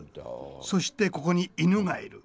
そしてここに犬がいる。